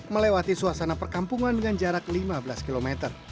melewati suasana perkampungan dengan jarak lima belas km